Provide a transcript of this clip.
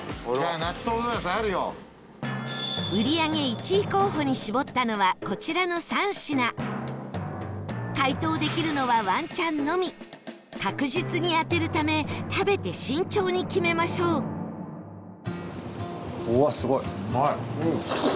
売り上げ１位候補に絞ったのはこちらの３品解答できるのはワンチャンのみ確実に当てるため食べて慎重に決めましょううん！